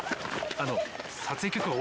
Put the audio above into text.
あの。